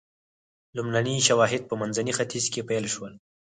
لومړني شواهد په منځني ختیځ کې پیل شول.